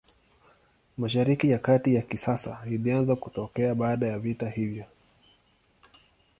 Mashariki ya Kati ya kisasa ilianza kutokea baada ya vita hiyo.